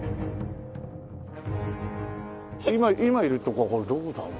今今いるとこはこれどこだろう？